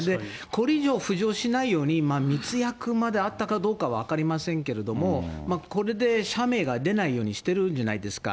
これ以上浮上しないように密約まであったかどうかは分かりませんけれども、これで社名が出ないようにしてるじゃないですか。